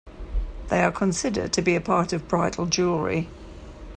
They are considered to be a part of bridal jewellery.